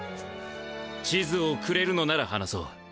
地図をくれるのなら話そう。